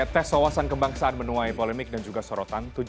tes wawasan kebangsaan menuai polemik dan juga sorotan